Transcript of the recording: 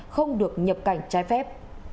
không được nhập cảnh trái phép